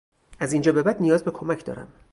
از اینجا به بعد نیاز به کمک دارم.